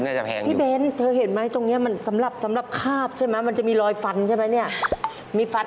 ค่าทุกอย่างก็เกือบหมื่นนะครับค่าทุกอย่างก็เกือบหมื่นนะครับ